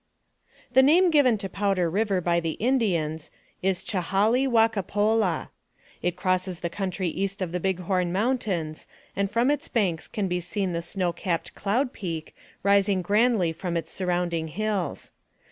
THE name given to Powder River by the Indians, is " Chahalee Wacapolah." It crosses the country east of the Big Horn Mountains, and from its banks can be seen the snow capped Cloud Peak rising grandly from its surrounding hills.